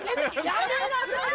やめなさい！